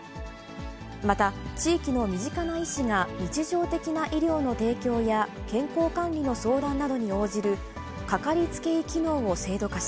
また、地域の身近な医師が日常的な医療の提供や健康管理の相談などに応じる、かかりつけ医機能を制度化し、